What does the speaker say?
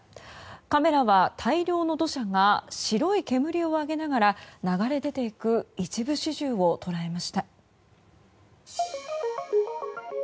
カメラは大量の土砂が白い煙を上げながら流れ出ていく一部始終を捉えました。